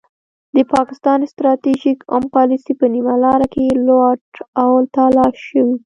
د پاکستان ستراتیژیک عمق پالیسي په نیمه لار کې لوټ او تالا شوې.